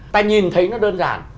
ta nhìn thấy nó đơn giản